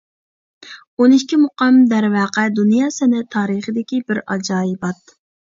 ئون ئىككى مۇقام دەرۋەقە دۇنيا سەنئەت تارىخىدىكى بىر ئاجايىبات.